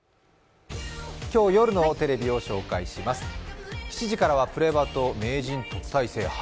今日夜のテレビを紹介します。